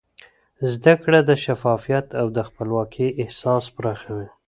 زده کړه د شفافیت او د خپلواکۍ احساس پراخوي.